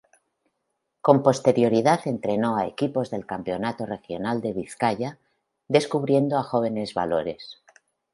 Con posterioridad entrenó a equipos del Campeonato Regional de Vizcaya, descubriendo a jóvenes valores.